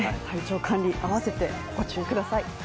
体調管理併せてご注意ください。